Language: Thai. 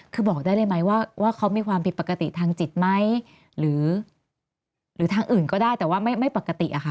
คือบอกได้เลยไหมว่าเขามีความผิดปกติทางจิตไหมหรือทางอื่นก็ได้แต่ว่าไม่ปกติอะค่ะ